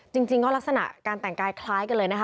จริงก็ลักษณะการแต่งกายคล้ายกันเลยนะคะ